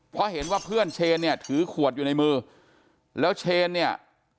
เพราะเห็นว่าเพื่อนเชนเนี่ยถือขวดอยู่ในมือแล้วเชนเนี่ย